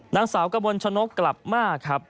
นางสาวกระบวนชนกกลับมาครับ